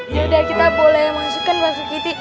iya dah kita boleh masuk kan mas rikiti